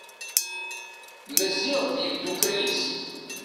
Maziɣ d yimddukal-is.